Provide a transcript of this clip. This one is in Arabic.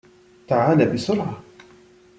.تعال بسرعة